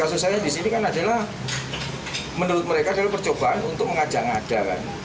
kasus saya di sini adalah menurut mereka adalah percobaan untuk mengajaknya